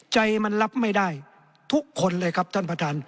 ใจมันรับไม่ได้ทุกคนเลยครับท่านประธาน